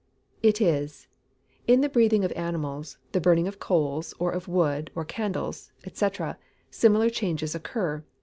_ It is. In the breathing of animals, the burning of coals, or of wood, or candles, &c., similar changes occur.